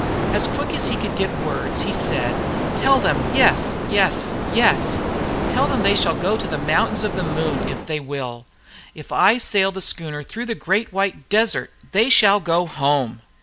As quick as he could get words, he said: "Tell them yes, yes, yes; tell them they shall go to the Mountains of the Moon, if they will. If I sail the schooner through the Great White Desert, they shall go home!"